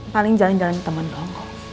paling jalan jalan teman dong